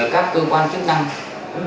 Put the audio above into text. các cơ quan chức năng